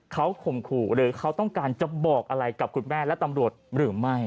เขาข่มขู่หรือเขาต้องการจะบอกอะไรกับคุณแม่และตำรวจหรือไม่